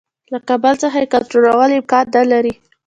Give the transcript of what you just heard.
له کابل څخه یې کنټرولول امکان نه لري.